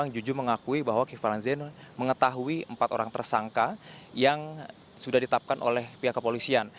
juju mengakui bahwa kiflan zain mengetahui empat orang tersangka yang sudah ditetapkan oleh pihak kepolisian